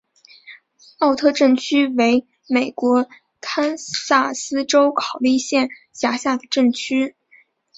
奥特镇区为美国堪萨斯州考利县辖下的镇区。